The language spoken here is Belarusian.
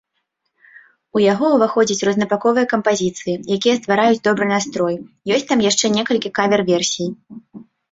У яго ўваходзяць рознабаковыя кампазіцыі, якія ствараюць добры настрой, ёсць там яшчэ некалькі кавер-версій.